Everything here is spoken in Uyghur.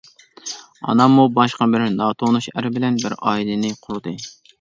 ئاناممۇ باشقا بىر ناتونۇش ئەر بىلەن بىر ئائىلىنى قۇردى.